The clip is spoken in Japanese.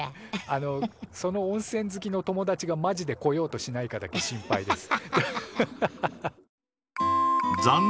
あのその温泉好きの友達がマジで来ようとしないかだけ心配です。